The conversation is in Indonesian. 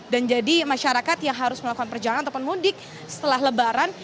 dan jadi masyarakat yang harus melakukan perjalanan ataupun mudik setelah lebaran